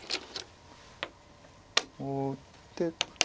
こう打って。